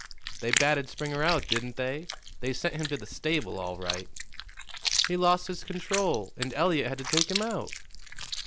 "They batted Springer out, didn't they? They sent him to the stable, all right." "He lost his control, and Eliot had to take him out."